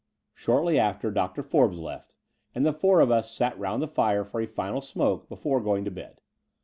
Shortly after, Dr. Forbes left; and the four of us sat round the fire for a final smoke before going to bed.